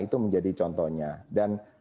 itu menjadi contohnya dan